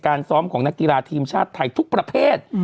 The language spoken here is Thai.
ซ้อมของนักกีฬาทีมชาติไทยทุกประเภท